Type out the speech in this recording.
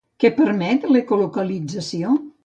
Què permet l'ecolocalització?